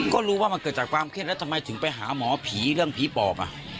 ก็รู้ว่ามันเกิดจากความเครียดแล้วทำไมถึงไปหาหมอผีเรื่องผีปอบ